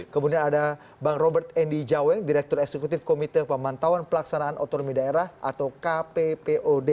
kemudian ada bang robert endi jaweng direktur eksekutif komite pemantauan pelaksanaan otonomi daerah atau kppod